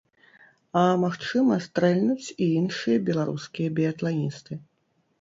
А, магчыма, стрэльнуць і іншыя беларускія біятланісты.